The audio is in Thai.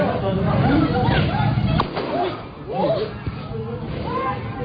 หมุนเดือน